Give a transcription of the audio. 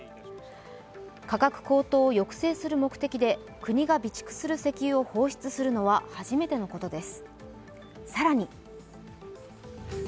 価格高騰を抑制する目的で国が備蓄する石油を放出するのは初めてのことです。